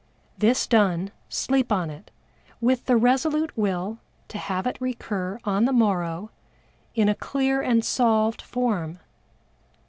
This done, sleep on it, with the resolute will to have it recur on the morrow in a clear and solved form.